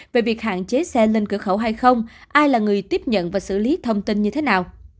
về việc hạn chế xe lên cửa khẩu hay không ai là người tiếp nhận và xử lý thông tin như thế nào